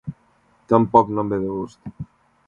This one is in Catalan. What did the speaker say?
Tampoc no em ve de gust.